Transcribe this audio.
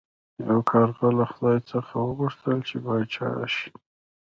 یو کارغه له خدای څخه وغوښتل چې پاچا شي.